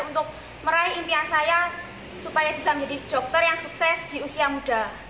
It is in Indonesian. untuk meraih impian saya supaya bisa menjadi dokter yang sukses di usia muda